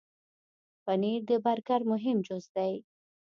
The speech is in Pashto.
پنېر د برګر مهم جز دی.